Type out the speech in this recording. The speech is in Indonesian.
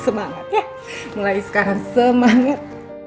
semangat ya mulai sekarang semangat